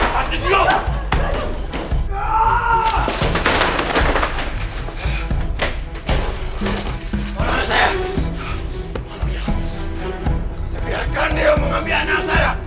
kasi biarkan dia mengambil anak saya